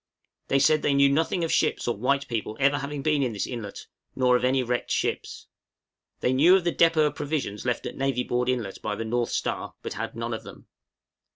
They said they knew nothing of ships or white people ever having been within this inlet, nor of any wrecked ships. They knew of the depôt of provisions left at Navy Board Inlet by the 'North Star,' but had none of them.